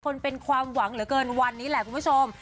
คนเป็นความหวังเหลือเกินวันนี้แหละคุณผู้ชม